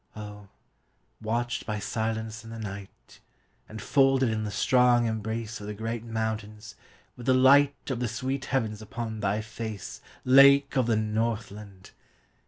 Oh, watched by Silence and the Night, And folded in the strong embraceOf the great mountains, with the lightOf the sweet heavens upon thy face, Lake of the Northland!